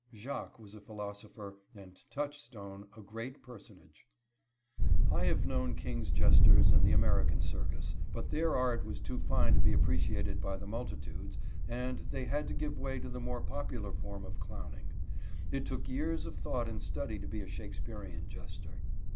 _" Jacques was a philosopher, and Touchstone a great personage. I have known king's jesters in the American circus, but their art was too fine to be appreciated by the multitudes, and they had to give way to the more popular form of clowning. It took years of thought and study to be a Shakespearian jester.